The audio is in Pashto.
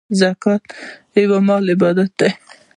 زکات یو مالی عبادت دی .